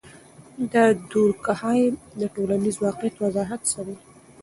د دورکهايم د ټولنیز واقعیت وضاحت څه دی؟